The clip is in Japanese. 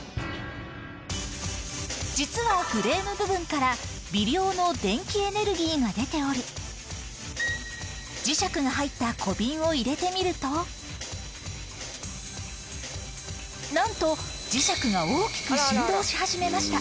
実はフレーム部分から微量の電気エネルギーが出ており磁石が入った小瓶を入れてみるとなんと磁石が大きく振動し始めました